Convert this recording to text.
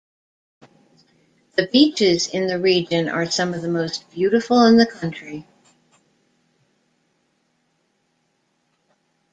The beaches in the region are some of the most beautiful in the country.